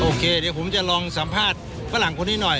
โอเคเดี๋ยวผมจะลองสัมภาษณ์ฝรั่งคนนี้หน่อย